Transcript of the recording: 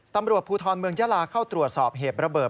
ตำรวจภูทรเมืองยาลาเข้าตรวจสอบเหตุระเบิด